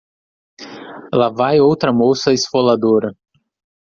Lá vai outra moça esfoladora.